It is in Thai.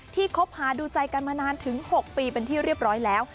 คบหาดูใจกันมานานถึง๖ปีเป็นที่เรียบร้อยแล้ว